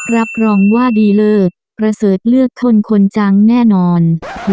รับรองว่าดีเลิศประเสริฐเลือกคนคนจังแน่นอน